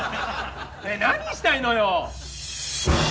ねえ何したいのよ？